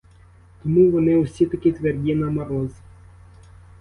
Тому вони усі такі тверді на мороз.